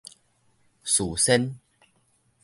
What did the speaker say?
事先